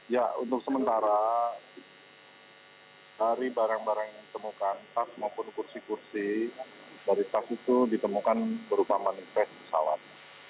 ya untuk sementara dari barang barang yang ditemukan tas maupun kursi kursi dari tas itu ditemukan berupa manifest pesawat